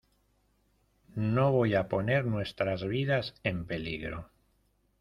no voy a poner nuestras vidas en peligro.